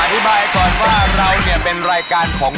อธิบายก่อนว่าเราเนี่ยเป็นรายการของ